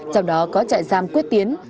trong đó có trại giam quyết tiến